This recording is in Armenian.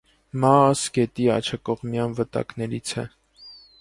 Մաաս գետի աջակողմյան վտակներից է։